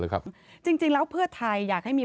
คือได้ไหมคะ